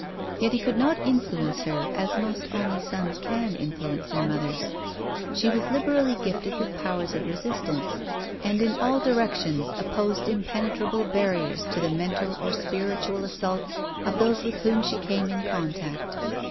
Yet he could not influence her as most only sons can influence their mothers. She was liberally gifted with powers of resistance, and in all directions opposed impene trable barriers to the mental or spiritual assaults of those with whom she came in contact.